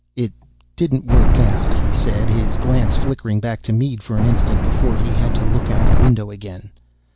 "It didn't work out," he said, his glance flickering back to Mead for an instant before he had to look out the window again.